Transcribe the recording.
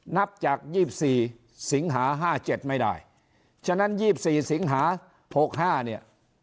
นับจาก๒๔สิงหา๕๗ไม่ได้ฉะนั้น๒๔สิงหา๖๕เนี่ย